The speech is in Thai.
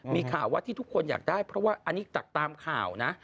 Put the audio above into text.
มีข่าวว่าที่ทุกคนอยากได้เพราะว่าอันนี้จากตามข่าวนะ